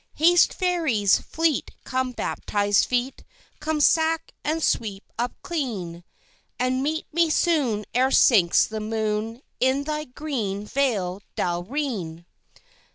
Haste, Fairies, fleet come baptized feet, Come sack and sweep up clean, And meet me soon, ere sinks the moon, In thy green vale, Dalreen.